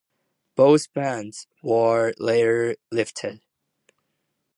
Both bans were later lifted.